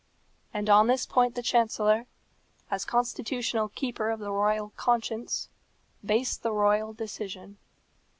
And on this point the chancellor, as constitutional keeper of the royal conscience, based the royal decision.